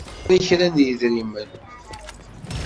Ɣur-i kra n yedrimen.